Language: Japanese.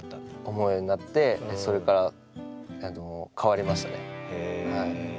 思うようになってでそれから変わりましたね。